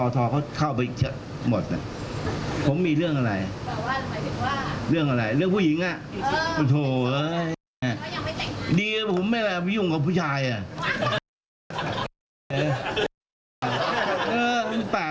ถ้าจำเป็นชีวิตจากผู้ชายก็ดีมาก